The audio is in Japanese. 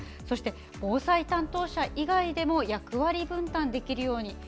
そして、防災担当者以外でも役割分担できるように。